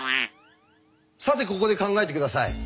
さてここで考えて下さい。